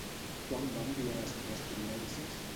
Quan va enviar les correspondències?